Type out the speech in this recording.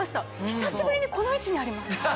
久しぶりにこの位置にあります。